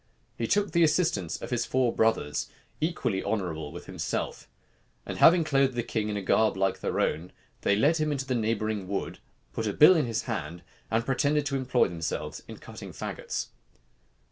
He took the assistance of his four brothers, equally honorable with himself: and having clothed the king in a garb like their own, they led him into the neighboring wood, put a bill in his hand, and pretended to employ themselves in cutting fagots.